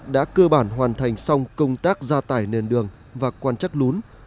đã cơ bản hoàn thành xong công tác gia tải nền đường và quan chắc lún